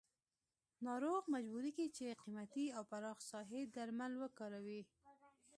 ناروغ مجبوریږي چې قیمتي او پراخ ساحې درمل وکاروي.